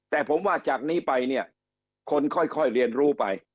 แต่ผมว่าจากนี้ไปเนี่ยคนค่อยเรียนรู้ไป